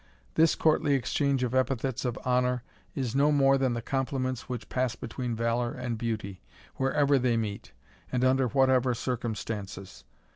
This courtly exchange of epithets of honour, is no more than the compliments which pass between valour and beauty, wherever they meet, and under whatever circumstances.